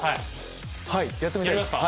はいやってみたいです。